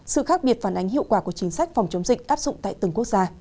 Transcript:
sự khác biệt phản ánh hiệu quả của chính sách phòng chống dịch áp dụng tại từng quốc gia